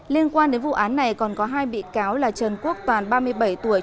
liên quan đến vụ án này còn có hai bị cáo là trần quốc toàn ba mươi bảy tuổi